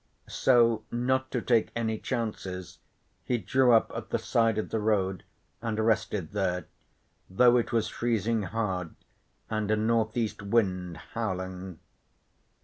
So not to take any chances he drew up at the side of the road and rested there, though it was freezing hard and a north east wind howling.